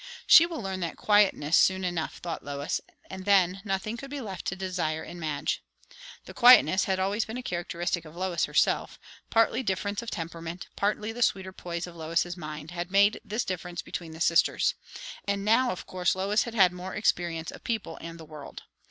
She will learn that quietness soon enough, thought Lois; and then, nothing could be left to desire in Madge. The quietness had always been a characteristic of Lois herself; partly difference of temperament, partly the sweeter poise of Lois's mind, had made this difference between the sisters; and now of course Lois had had more experience of people and the world.